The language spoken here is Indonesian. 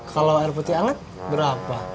kalau air putih hangat berapa